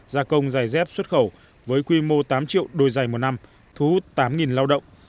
gia công dày dép xuất khẩu với quy mô tám triệu đôi dày một năm thu hút tám lao động